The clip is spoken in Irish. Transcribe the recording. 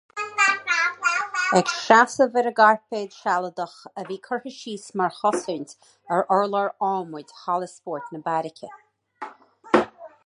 Ag seasamh ar an gcairpéad sealadach a bhí curtha síos mar chosaint ar urlár adhmaid halla spóirt na beairice.